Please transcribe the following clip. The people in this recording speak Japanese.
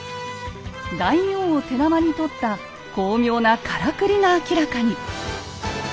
大名を手玉に取った巧妙なからくりが明らかに！